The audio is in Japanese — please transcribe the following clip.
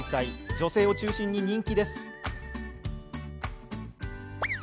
女性を中心に人気です。